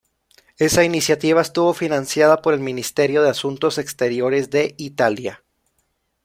Esa iniciativa estuvo financiada por el Ministerio de Asuntos Exteriores de Italia.